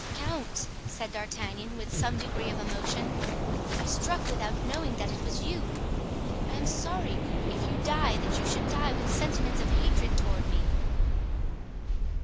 "Count!" said D'Artagnan, with some degree of emotion, "I struck without knowing that it was you. I am sorry, if you die, that you should die with sentiments of hatred toward me."